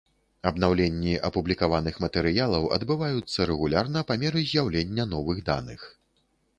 Абнаўленні апублікаваных матэрыялаў адбываюцца рэгулярна па меры з'яўлення новых даных.